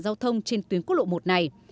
giao thông trên tuyến quốc lộ một này